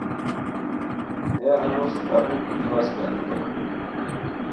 ہے انوس طبیب دی بس گانیتائے